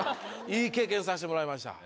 いい経験させてもらいました。